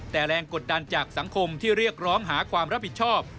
แต่แรงกดดันจากสังคมที่เรียกร้องหาความรับผิดชอบ